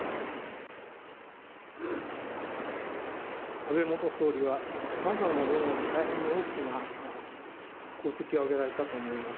安倍元総理は、さまざまな分野で大変に大きな功績を上げられたと思います。